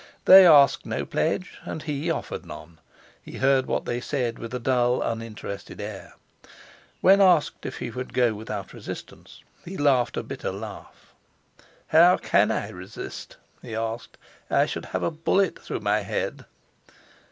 They asked no pledge, and he offered none. He heard what they said with a dulled uninterested air. When asked if he would go without resistance, he laughed a bitter laugh. "How can I resist?" he asked. "I should have a bullet through my head."